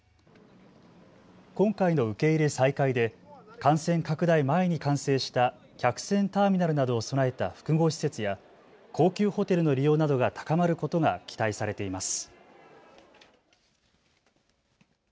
今回の受け入れ再開で感染拡大前に完成した客船ターミナルなどを備えた複合施設や高級ホテルの利用などが高まることが期待されています。